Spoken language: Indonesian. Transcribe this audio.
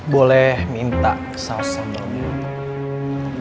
boleh minta saus sambal